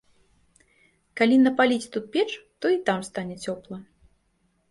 Калі напаліць тут печ, то і там стане цёпла.